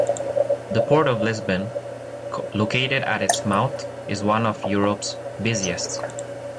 The Port of Lisbon, located at its mouth, is one of Europe's busiest.